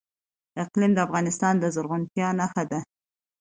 اقلیم د افغانستان د زرغونتیا نښه ده.